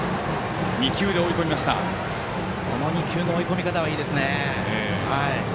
この２球の追い込み方はいいですね。